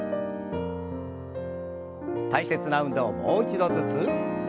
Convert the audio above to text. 大切な運動をもう一度ずつ。